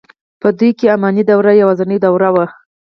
په دوی کې اماني دوره یوازنۍ دوره وه.